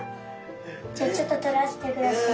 じゃあちょっととらせてください。